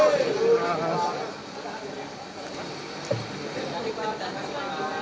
oke terima kasih rekan rekan selamat sore